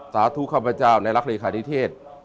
สาธุข้าพเจ้าและรักเลขานิเทศ